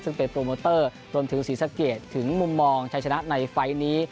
ซึ่งเป็นโปรโมเตอร์รวมถึงศรีสะเกดถึงมุมมองชัยชนะในไฟล์นี้